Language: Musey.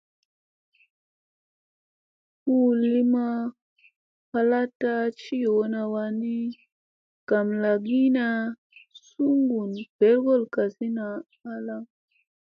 Hu lima palaɗta a ci yoonada wanni gamlagiina suŋguna ɓel kolo kasi halaŋ.